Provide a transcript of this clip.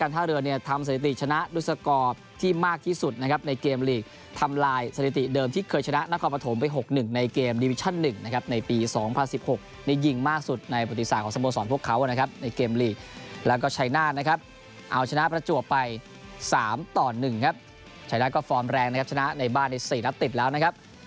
การท่าเรือทำสถิติชนะด้วยสกรที่มากที่สุดนะครับในกเกมรีก